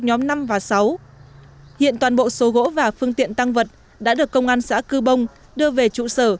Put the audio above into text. nhóm năm và sáu hiện toàn bộ số gỗ và phương tiện tăng vật đã được công an xã cư bông đưa về trụ sở